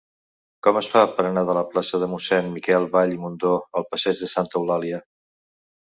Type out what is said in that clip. Com es fa per anar de la plaça de Mossèn Miquel Vall i Mundó al passeig de Santa Eulàlia?